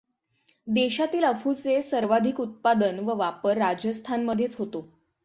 देशातील अफूचे सर्वाधिक उत्पादन व वापर राजस्थानमध्येच होतो.